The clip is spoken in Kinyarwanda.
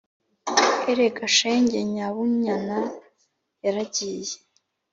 “Erega shenge, Nyabunyana yaragiye,